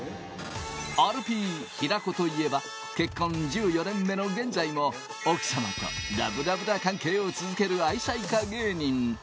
アルピー・平子といえば、結婚１４年目の現在も奥様とラブラブな関係を続ける愛妻家芸人。